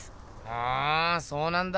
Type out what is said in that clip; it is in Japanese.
ふんそうなんだ。